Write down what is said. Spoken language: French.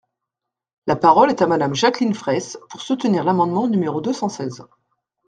La parole est à Madame Jacqueline Fraysse, pour soutenir l’amendement numéro deux cent seize.